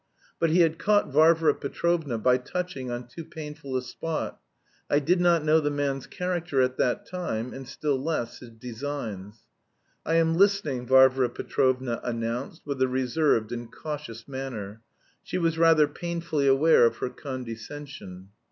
But he had caught Varvara Petrovna by touching on too painful a spot. I did not know the man's character at that time, and still less his designs. "I am listening," Varvara Petrovna announced with a reserved and cautious manner. She was rather painfully aware of her condescension.